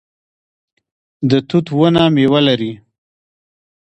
د توت ونه میوه لري